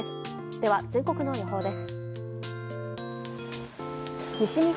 では全国の予報です。